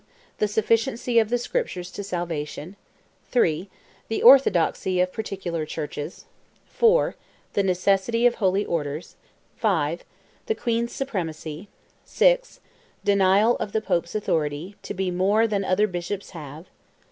The Sufficiency of the Scriptures to Salvation; 3. The Orthodoxy of Particular Churches; 4. The Necessity of Holy Orders; 5. The Queen's Supremacy; 6. Denial of the Pope's authority "to be more than other Bishops have;" 7.